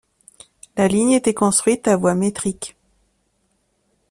La ligne était construite à voie métrique.